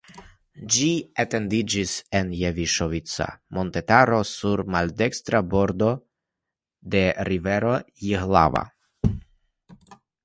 Ĝi etendiĝas en Jeviŝovica montetaro sur maldekstra bordo de rivero Jihlava.